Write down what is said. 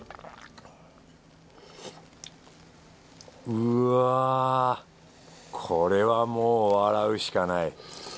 うわぁこれはもう笑うしかない。